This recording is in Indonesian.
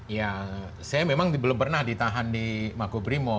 ya saya memang belum pernah ditahan di makobrimo